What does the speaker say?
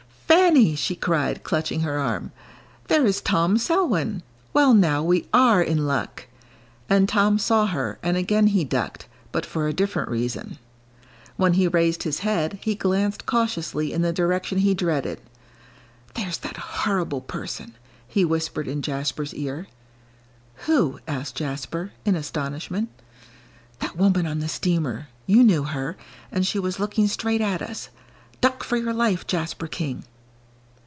"Fanny," she cried, clutching her arm, "there is Tom Selwyn! Well, now we are in luck!" And Tom saw her, and again he ducked, but for a different reason. When he raised his head, he glanced cautiously in the direction he dreaded. "There's that horrible person," he whispered in Jasper's ear. "Who?" asked Jasper, in astonishment. "That woman on the steamer you knew her and she was looking straight at us. Duck for your life, Jasper King!"